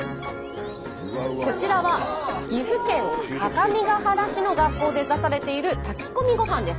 こちらは岐阜県各務原市の学校で出されている炊き込みごはんです。